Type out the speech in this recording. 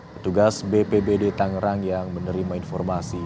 petugas bpbd tangerang yang menerima informasi